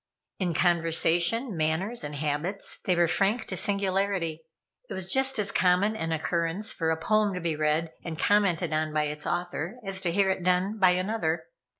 In conversation, manners and habits, they were frank to singularity. It was just as common an occurrence for a poem to be read and commented on by its author, as to hear it done by another.